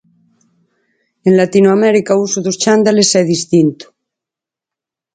En Latinoamérica, o uso dos chándales é distinto.